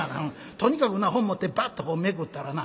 「とにかくな本持ってバッとめくったらな